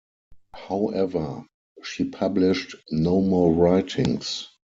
However, she published no more writings.